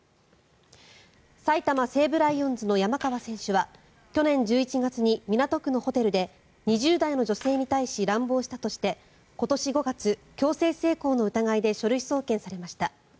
埼玉西武ライオンズの山川選手は去年１１月に港区のホテルで２０代の女性に対し乱暴したとして今年５月、強制性交の疑いで書類送検されました。